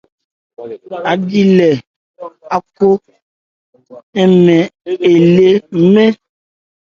Aji lê Akho ɔ́nmɔn elé nmɛ́n.